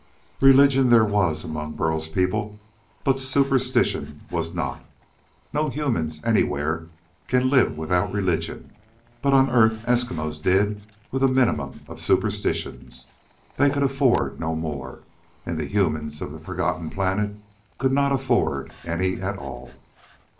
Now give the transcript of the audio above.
Religion there was, among Burl's people, but superstition was not. No humans, anywhere, can live without religion, but on Earth Eskimos did with a minimum of superstitions, they could afford no more and the humans of the forgotten planet could not afford any at all.